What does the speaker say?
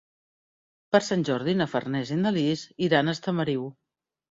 Per Sant Jordi na Farners i na Lis iran a Estamariu.